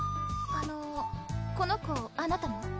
あのこの子あなたの？